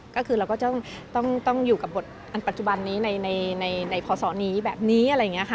ก็คือเราก็ต้องอยู่กับบทอันปัจจุบันนี้ในพศนี้แบบนี้อะไรอย่างนี้ค่ะ